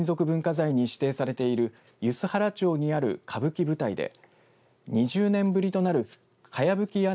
文化財に指定されている梼原町にある歌舞伎舞台で２０年ぶりとなるかやぶき